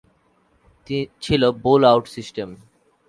ছিল bowl out system.